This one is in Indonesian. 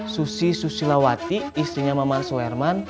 susi susilawati istrinya mamansu herman